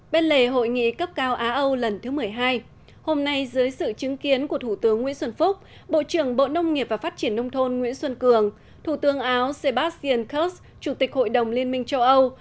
bên lề hội nghị cấp cao á âu lần thứ một mươi hai hôm nay dưới sự chứng kiến của thủ tướng nguyễn xuân phúc bộ trưởng bộ nông nghiệp và phát triển nông thôn nguyễn xuân cường thủ tướng áo sebastian kursk chủ tịch hội đồng liên minh châu âu